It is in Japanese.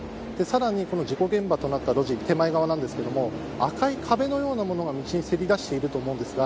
この事故現場となった路地は手前側ですが赤い壁のようなものが道にせり出しています。